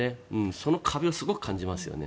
その壁をすごく感じますよね。